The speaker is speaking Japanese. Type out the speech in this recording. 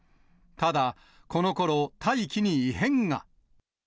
ただ、このころ、大気に異変が。